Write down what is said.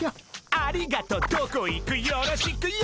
「ありがとどこいくよろしくＹＯ」